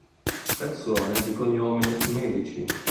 Persone di cognome Medici